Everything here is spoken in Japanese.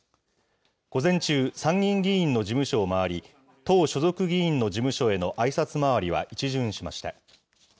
午前中、参議院議員の事務所を回り、党所属議員の事務所へのあいさつ回りは一巡しました。